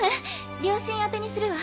両親宛てにするわ。